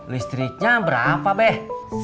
listriknya berapa beh